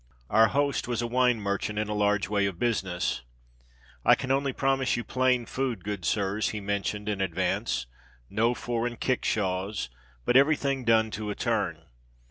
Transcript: Our host was a wine merchant in a large way of business. "I can only promise you plain food, good sirs," he mentioned, in advance "no foreign kick shaws; but everything done to a turn."